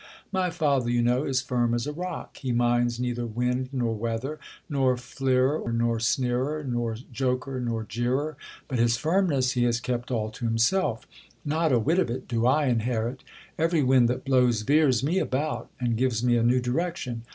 My father, you know, is firm as a rock. He minds neither wind nor weather, nor fleerer nor sneerer, nor joker nor jeerer ; but his firmness he has kept all to himself; not a whit of 227 THE COLUMBIAN ORATOR. •fitdol inherit. Every wind that blows veers me about, and gives me a new direction.